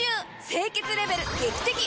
清潔レベル劇的アップ！